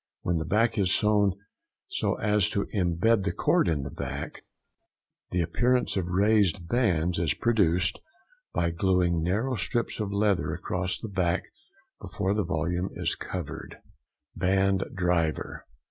When the back is sewn so as to imbed the cord in the back, the appearance of raised bands is produced by gluing narrow strips of leather across the back before the volume is covered. BAND DRIVER.